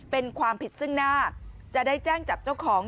เป็นความผิดซึ่งหน้าจะได้แจ้งจับเจ้าของ